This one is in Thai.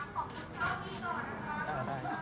ขอขอบคุณหน่อยนะคะ